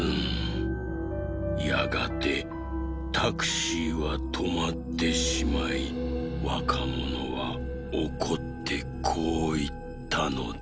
やがてタクシーはとまってしまいわかものはおこってこういったのです。